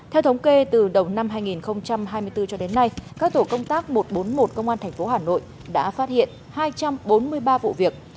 theo thống kê từ đầu năm hai nghìn hai mươi bốn cho đến nay các tổ công tác một trăm bốn mươi một công an tp hà nội đã phát hiện hai trăm bốn mươi ba vụ việc